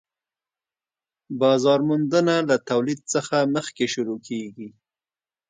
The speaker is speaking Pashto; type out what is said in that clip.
بازار موندنه له تولید څخه مخکې شروع کيږي